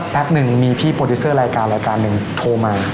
สักแพ็กหนึ่งมีพี่โปรดิสเซอร์รายการนึงโทรมา